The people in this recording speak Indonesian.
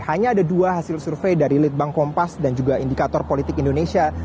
hanya ada dua hasil survei dari litbang kompas dan juga indikator politik indonesia